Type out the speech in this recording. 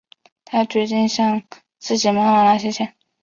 她决定向自己妈妈拿些钱